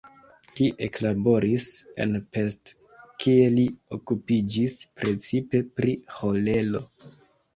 Li eklaboris en Pest, kie li okupiĝis precipe pri ĥolero.